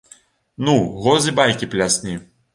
Ну, годзе байкі плясні.